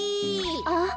あっ。